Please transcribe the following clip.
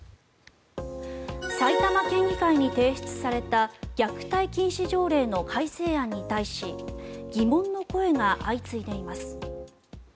埼玉県議会に提出された虐待禁止条例の改正案に対し疑問の声が相次いでいます。